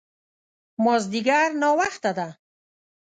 مازديګر ناوخته ده